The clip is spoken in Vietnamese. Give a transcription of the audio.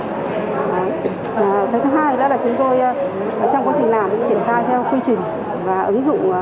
cái thứ hai đó là chúng tôi trong quá trình làm triển khai theo quy trình và ứng dụng tiên học